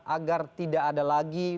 agar tidak ada lagi